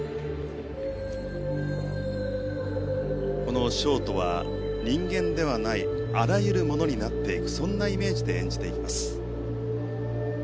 このショートは人間ではないあらゆるものになっていくそんなイメージで演じていきます。